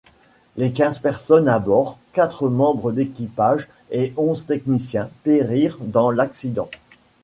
Les quinze personnes à bord, quatre membres d'équipage et onze techniciens, périrent dans l'accident.